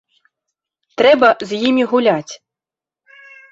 Трэба з імі гуляць.